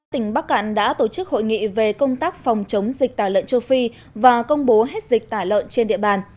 tỉnh bắc cạn đã tổ chức hội nghị về công tác phòng chống dịch tả lợn châu phi và công bố hết dịch tả lợn trên địa bàn